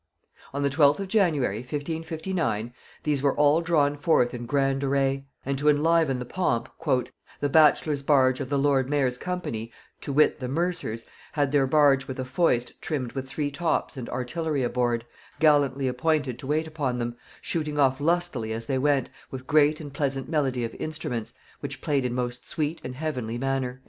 On the 12th of January 1559 these were all drawn forth in grand array; and to enliven the pomp, "the bachelor's barge of the lord mayor's company, to wit the mercers, had their barge with a foist trimmed with three tops and artillery aboard, gallantly appointed to wait upon them, shooting off lustily as they went, with great and pleasant melody of instruments, which played in most sweet and heavenly manner."